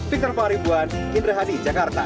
victor faharibuan indra hadi jakarta